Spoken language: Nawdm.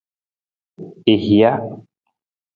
I hija.